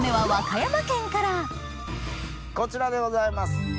こちらでございます。